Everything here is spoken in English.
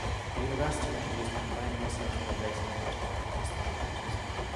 The university introduced combined research projects and inter-faculty study courses.